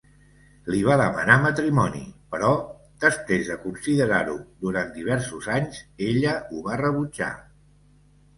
Li va demanar matrimoni, però, després de considerar-ho durant diversos anys, ella ho va rebutjar.